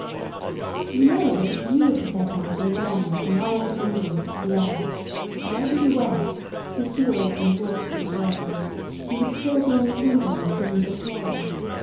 ] You know that if you were to set out on a journey from one end of England to another, wherever you went, through fields and woods and lanes, you would still be in the kingdom of Queen Victoria.